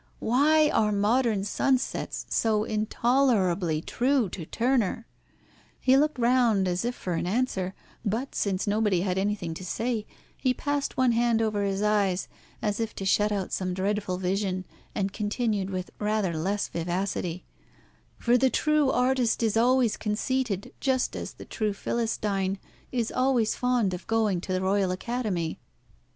Why are modern sunsets so intolerably true to Turner?" He looked round as if for an answer; but, since nobody had anything to say, he passed one hand over his eyes, as if to shut out some dreadful vision, and continued with rather less vivacity "For the true artist is always conceited, just as the true Philistine is always fond of going to the Royal Academy.